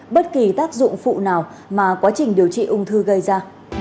bất kỳ tác dụng phụ nào mà quá trình điều trị ung thư gây ra